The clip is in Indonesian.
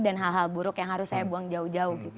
dan hal hal buruk yang harus saya buang jauh jauh